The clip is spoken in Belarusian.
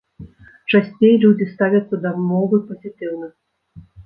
Часцей людзі ставяцца да мовы пазітыўна.